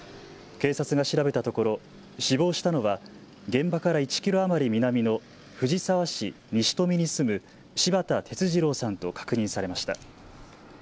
警察が調べたところ死亡したのは現場から１キロ余り南の藤沢市西富に住む柴田哲二郎さんと確認されました。